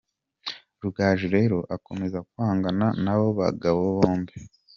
Rugaju rero akomeza kwangana n’abo bagabo bombi.